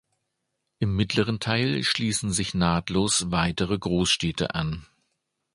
Im mittleren Teil schließen sich nahtlos weitere Großstädte an.